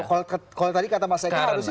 tapi kenapa kalau tadi kata mas eka harusnya